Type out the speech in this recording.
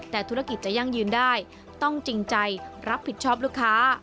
แต่ธุรกิจจะยั่งยืนได้ต้องจริงใจรับผิดชอบลูกค้า